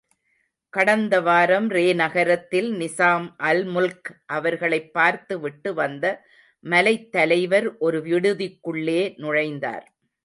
கடந்தவாரம் Rey நகரத்தில், Nizam al-Mulk அவர்களைப் பார்த்துவிட்டு வந்த மலைத்தலைவர் ஒரு விடுதிக்குள்ளே நுழைந்தார்.